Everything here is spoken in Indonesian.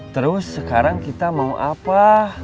terus sekarang kita mau apa